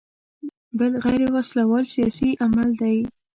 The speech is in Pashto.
بل غیر وسله وال سیاسي عمل دی.